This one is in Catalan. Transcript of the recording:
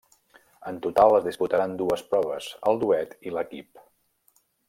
En total es disputaran dues proves, el duet i l'equip.